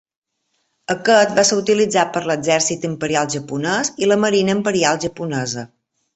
Aquest va ser utilitzat per l'Exèrcit Imperial Japonès i la Marina Imperial Japonesa.